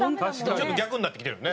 ちょっと逆になってきてるよね。